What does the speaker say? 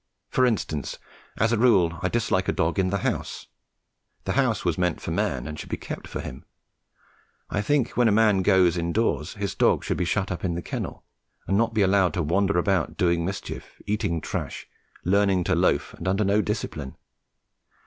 For instance, as a rule, I dislike a dog in the house. The house was meant for man and should be kept for him. I think when a man goes indoors his dog should be shut up in the kennel and not be allowed to wander about doing mischief, eating trash, learning to loaf, and under no discipline.